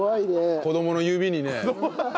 子供の指にね。